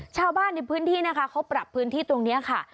ชาวบ้านในพื้นที่นะคะเขาปรับพื้นที่ตรงนี้ค่ะ